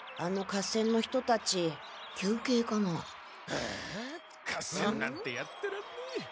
ああ合戦なんてやってらんねえ。